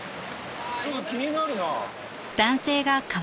ちょっと気になるな。